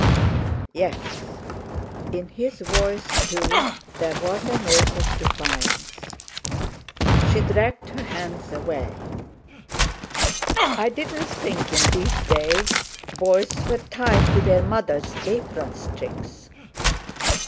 "Yes." In his voice, too, there was a note of defiance. She dragged her hands away. "I didn't think in these days boys were tied to their mothers' apron strings."